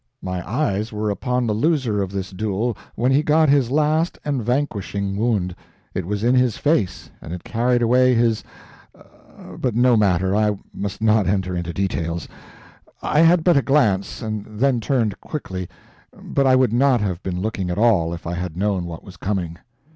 My eyes were upon the loser of this duel when he got his last and vanquishing wound it was in his face and it carried away his but no matter, I must not enter into details. I had but a glance, and then turned quickly, but I would not have been looking at all if I had known what was coming.